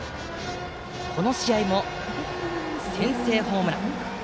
この試合も先制ホームラン。